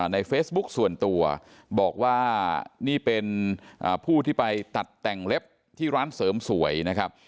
ในเฟซบุ๊คส่วนตัวบอกว่านี่เป็นผู้ที่ไปตัดแต่งเล็บที่ร้านเสริมสวยนะครับ